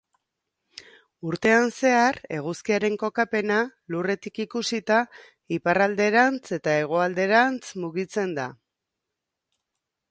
Urtean zehar, eguzkiaren kokapena, Lurretik ikusita, iparralderantz eta hegoalderantz mugitzen da.